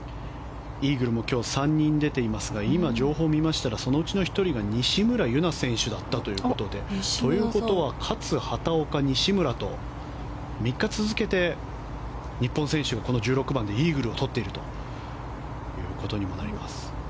イーグルも今日３人出ていますが今、情報を見ましたらそのうちの１人が西村優菜だったということで。ということは、勝、畑岡、西村と３日続けて日本選手がこの１６番でイーグルをとっているということにもなります。